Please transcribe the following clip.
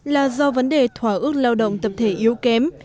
là do vấn đề thỏa ước lao động tập thể yếu kém